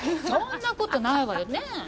そんなことないわよねぇ！